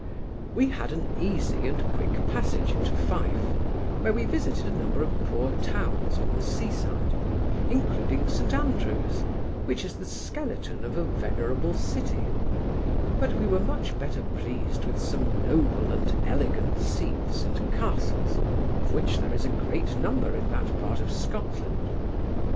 We had an easy and quick passage into Fife, where we visited a number of poor towns on the sea side, including St Andrew's, which is the skeleton of a venerable city; but we were much better pleased with some noble and elegant seats and castles, of which there is a great number in that part of Scotland.